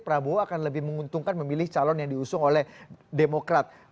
prabowo akan lebih menguntungkan memilih calon yang diusung oleh demokrat